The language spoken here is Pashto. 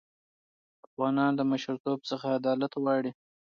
افغانان له مشرتوب څخه عدالت غواړي.